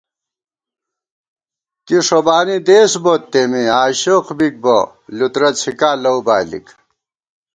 کی ݭوبانی دېس بوت تېمے ، آشوخ بِک بہ لُترہ څِھکا لَؤ بالِک